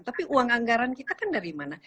tapi uang anggaran kita kan dari mana